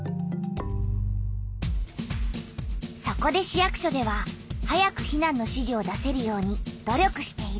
そこで市役所では早く避難の指示を出せるように努力している。